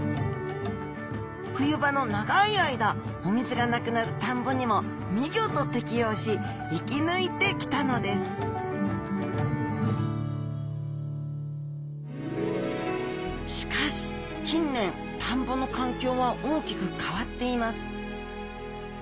冬場の長い間お水がなくなる田んぼにも見事適応し生き抜いてきたのですしかし近年田んぼの環境は大きく変わっています